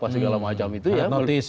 segala macam itu ya